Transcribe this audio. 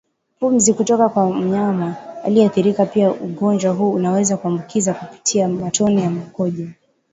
pumzi kutoka kwa mnyama aliyeathirika Pia ugonjwa huu unaweza kuambukiza kupitia matone ya mkojo